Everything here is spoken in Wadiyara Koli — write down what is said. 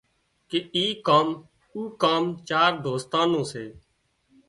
ڪي اي ڪام او ڪام چار دوستان نُون سي